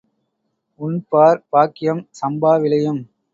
உண்பார் பாக்கியம், சம்பா விளையும்.